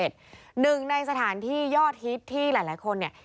หนึ่งในสถานที่ยอดฮิตที่หลายคนเนี่ย